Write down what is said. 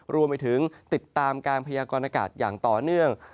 รวมไปถึงติดตามการพยากรณากาศอย่างต่อเนื่อง